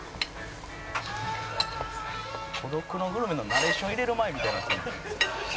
「『孤独のグルメ』のナレーション入れる前みたいになって」